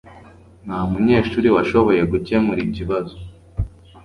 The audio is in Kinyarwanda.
Nta munyeshuri washoboye gukemura ikibazo.